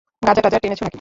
গাঁজা-টাজা টেনেছো নাকি?